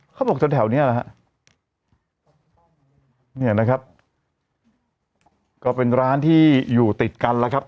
เขาบอกแถวแถวเนี้ยนะฮะเนี่ยนะครับก็เป็นร้านที่อยู่ติดกันแล้วครับ